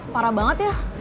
parah banget ya